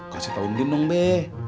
kasih tau ibu dong be